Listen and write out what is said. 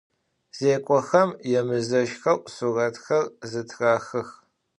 Zêk'oxem yêmızeşxeu suretxer zıtraxıx.